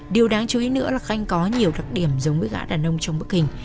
điều đáng chú ý nữa là khanh có nhiều đặc điểm giống với gã đàn nông trong bức hình